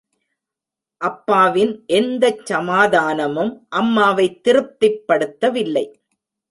அப்பாவின் எந்தச் சமாதானமும் அம்மாவைத் திருப்திப் படுத்தவில்லை.